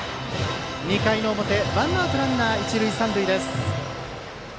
２回の表ワンアウトランナー、一塁三塁。